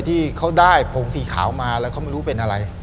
ที่เขาได้ผงสีขาวมาแล้วเขาไม่รู้เป็นอะไร